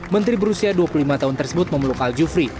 menteri berusia dua puluh lima tahun tersebut memeluk al jufri